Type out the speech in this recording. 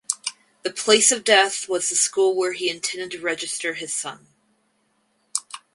The place of death was the school where he intended to register his son.